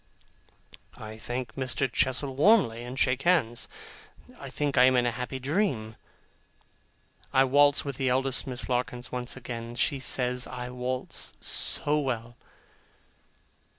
I thank Mr. Chestle warmly, and shake hands. I think I am in a happy dream. I waltz with the eldest Miss Larkins once again. She says I waltz so well!